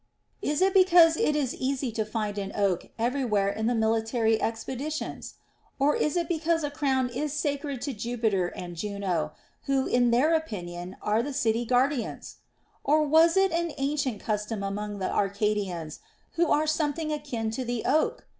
Is it because it is easy to find an oak every where in the military expeditions ? Or is it because a THE ROMAN QUESTIONS. 253 crown is sacred to Jupiter and Juno, who in their opinion are the city guardians ? Or was it an ancient custom among the Arcadians, who are something akin to the oak